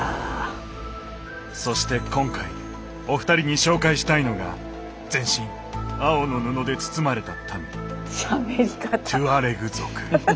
そして今回お二人に紹介したいのが全身青の布で包まれた民トゥアレグ族。